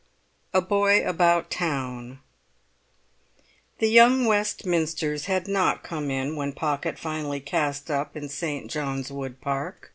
A BOY ABOUT TOWN The young Westminsters had not come in when Pocket finally cast up in St. John's Wood Park.